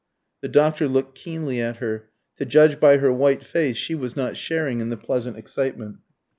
The doctor looked keenly at her. To judge by her white face she was not sharing in the pleasant excitement.